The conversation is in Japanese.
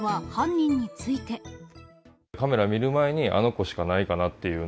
カメラ見る前に、あの子しかないかなっていう。